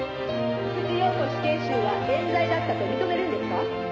「福地陽子死刑囚は冤罪だったと認めるんですか？」